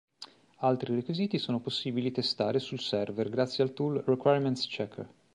Altri requisiti sono possibili testare sul server grazie al tool Requirements Checker.